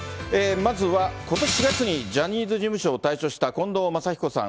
まずは、ことし４月にジャニーズ事務所を退所した近藤真彦さん。